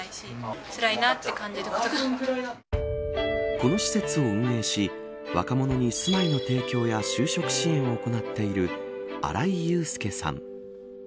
この施設を運営し若者に住まいの提供や就職支援を行っている荒井佑介さん。